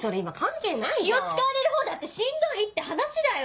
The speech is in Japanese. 気を使われる方だってしんどいって話だよ！